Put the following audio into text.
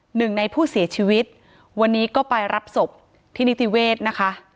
หนึ่งในผู้เสียชีวิตวันนี้ก็ไปรับศพที่นิติเวศนะคะ